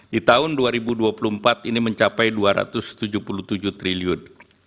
di tahun dua ribu dua puluh empat ini mencapai rp dua ratus tujuh puluh tujuh triliun